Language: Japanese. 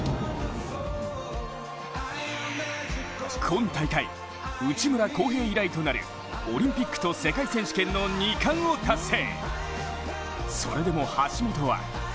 今大会、内村航平以来となるオリンピックと世界選手権の二冠を達成。